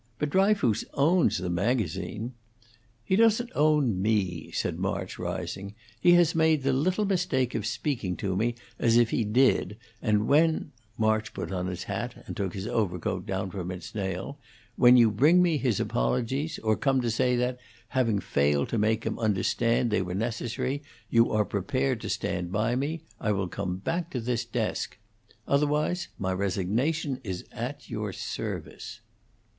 But Dryfoos owns the magazine " "He doesn't own me," said March, rising. "He has made the little mistake of speaking to me as if he did; and when" March put on his hat and took his overcoat down from its nail "when you bring me his apologies, or come to say that, having failed to make him understand they were necessary, you are prepared to stand by me, I will come back to this desk. Otherwise my resignation is at your service."